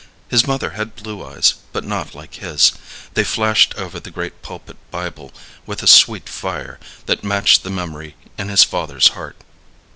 His mother had blue eyes, but not like his; they flashed over the great pulpit Bible with a sweet fire that matched the memory in his father's heart.